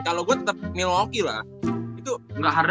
kalo gua tetep milwaukee lah